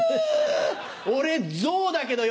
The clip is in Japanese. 俺ゾウだけどよ